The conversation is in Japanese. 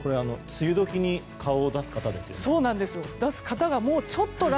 梅雨時に顔を出す方ですよね？